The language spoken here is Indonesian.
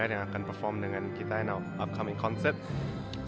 yang akan berpersembahkan dengan kita di konsert yang akan datang